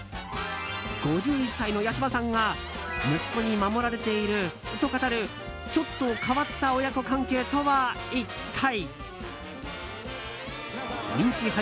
５１歳の八嶋さんが息子に守られていると語るちょっと変わった親子関係とは一体？